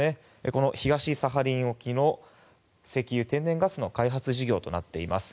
この東サハリン沖の石油・天然ガスの開発事業となっています。